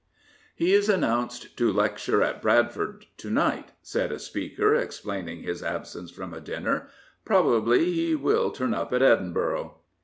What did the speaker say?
*' He is announced to lecture at Bradford to night," said a speaker, explaining his absence from a dinner. " Probably he will turn up at Edinburgh."